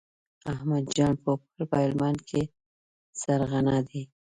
احمد جان پوپل په هلمند کې سرغنه دی.